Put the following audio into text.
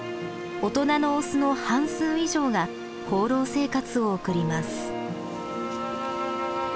大人のオスの半数以上が放浪生活を送ります。